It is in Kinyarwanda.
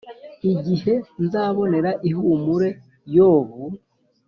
Igihe nzabonera ihumure yobu